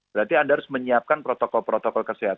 berarti anda harus menyiapkan protokol protokol kesehatan